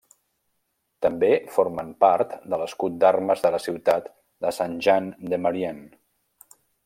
També formen part de l'escut d'armes de la ciutat de Saint-Jean-de-Maurienne.